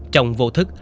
trong vô thức